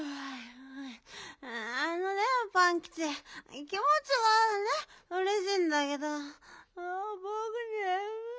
あのねパンキチきもちはねうれしいんだけどぼくねむい。